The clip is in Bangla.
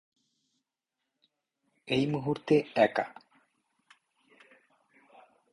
এই মুহূর্তে একা।